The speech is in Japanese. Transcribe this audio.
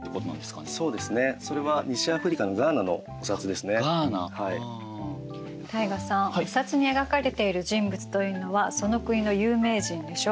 お札に描かれている人物というのはその国の有名人でしょう？